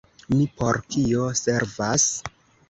Mi por kio servas?